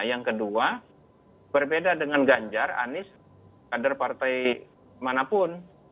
yang kedua berbeda dengan ganjar anies kader partai manapun